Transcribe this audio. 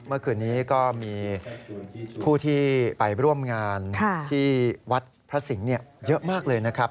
เมื่อคืนนี้ก็มีผู้ที่ไปร่วมงานที่วัดพระสิงห์เยอะมากเลยนะครับ